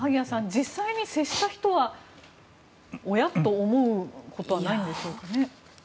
実際に接した人はおや？と思うことはないんでしょうかね。